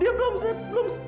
dia belum belum